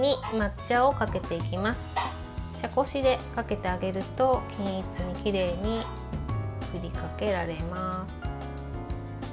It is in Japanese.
茶こしでかけてあげると均一にきれいに振りかけられます。